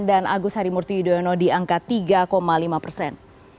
dan agus harimurti yudhoyono di angka tiga lima persen